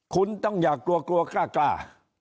คุณต้องอย่ากลัวกลัวกล้า